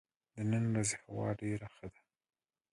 د نن ورځ هوا ډېره ښه ده.